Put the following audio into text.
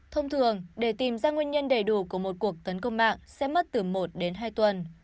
thông thường để tìm ra nguyên nhân đầy đủ của một cuộc tấn công mạng sẽ mất từ một đến hai tuần